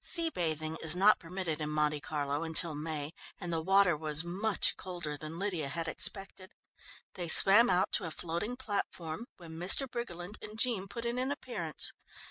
Sea bathing is not permitted in Monte Carlo until May, and the water was much colder than Lydia had expected. They swam out to a floating platform when Mr. Briggerland and Jean put in an appearance.